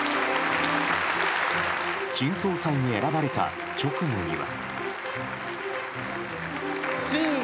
新総裁に選ばれた直後には。